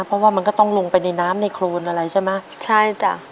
เพราะว่ามันก็ต้องลงไปในน้ำในโครนอะไรใช่ไหมใช่จ้ะ